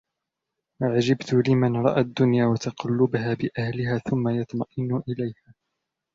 وَعَجِبْت لِمَنْ رَأَى الدُّنْيَا وَتَقَلُّبَهَا بِأَهْلِهَا ثُمَّ يَطْمَئِنُّ إلَيْهَا